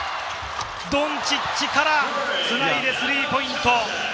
ドンチッチからつないでスリーポイント。